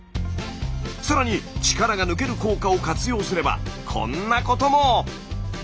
さらに力が抜ける効果を活用すればこんなことも！